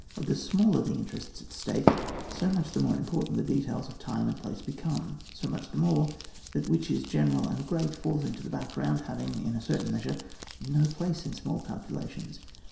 The smaller the interests at stake, so much the more important the details of time and place become, so much the more that which is general and gi*eat falls into the background, having, in a certain measure no place in small calculations.